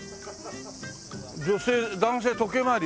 「女性」「男性時計まわり」。